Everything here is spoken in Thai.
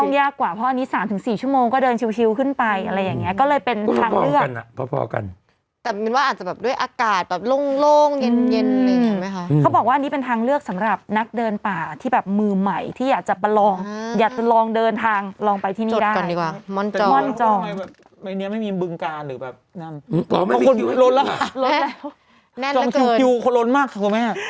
อ๋อไม่มีคิวให้กินค่ะแน่นเหลือเกินจองคิวคิวคนล้นมากค่ะคุณแม่